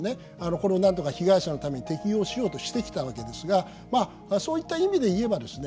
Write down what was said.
これをなんとか被害者のために適用しようとしてきたわけですがまあそういった意味で言えばですね